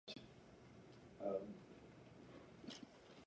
Capone was called "Snorky", a term for a sharp dresser, by his closest friends.